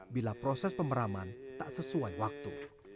bila proses pemeraman tak sesuai waktu